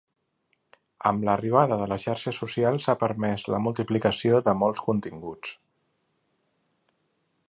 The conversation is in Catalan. Amb l'arribada de les xarxes socials s’ha permés la multiplicació de molts continguts.